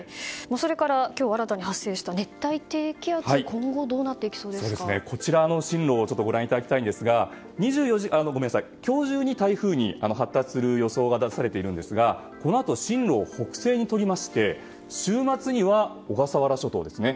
それから今日、新たに発生した熱帯低気圧こちらの進路をご覧いただきたいんですが今日中に台風に発達する予想が出されているんですがこのあと進路を北西にとりまして週末には小笠原諸島ですね。